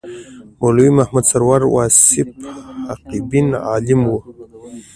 مولوي محمد سرور واصف حقبین عالم و.